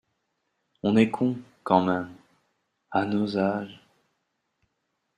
On est con, quand même. À nos âges…